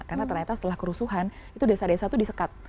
karena ternyata setelah kerusuhan itu desa desa tuh disekat